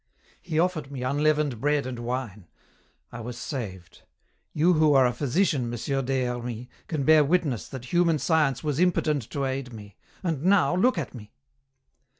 "He offered me unleavened bread and wine. I was saved. You who are a physician, Monsieur Des Hermies, can bear witness that human science was impotent to aid me and now look at me!"